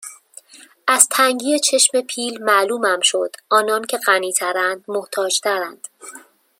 از تنگی چشم پیل معلومم شد آنان که غنی ترند محتاج ترند